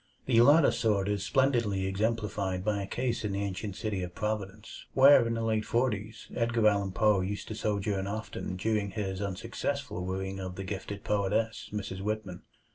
The latter sort is splendidly exemplified by a case in the ancient city of Providence, where in the late forties Edgar Allan Poe used to sojourn often during his unsuccessful wooing of the gifted poetess, Mrs. Whitman.